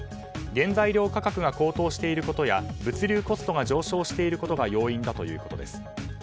原材料価格が高騰していることや物流コストが上昇していることが要因だということです。